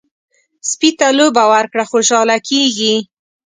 سپي ته لوبه ورکړه، خوشحاله کېږي.